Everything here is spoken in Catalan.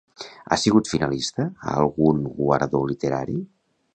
Ha sigut finalista a algun guardó literari?